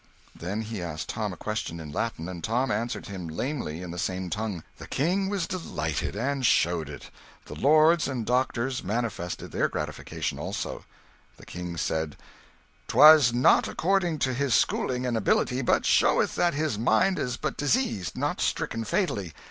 Then he asked Tom a question in Latin, and Tom answered him lamely in the same tongue. The lords and doctors manifested their gratification also. The King said "'Twas not according to his schooling and ability, but showeth that his mind is but diseased, not stricken fatally.